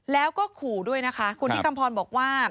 แล้วก็ขู่ด้วยนะคะคุณที่คำพรบอกว่า